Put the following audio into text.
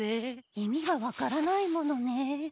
意味がわからないものね。